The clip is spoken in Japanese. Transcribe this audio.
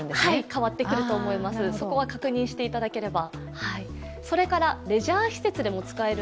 変わってくると思います、そこは確認していただければ。